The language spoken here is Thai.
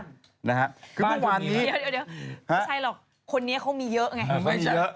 เดี๋ยวใช่หรอกคนนี้เขามีเยอะไง